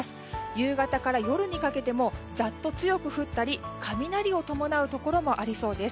夕方から夜にかけてもざっと強く降ったり雷を伴うところもありそうです。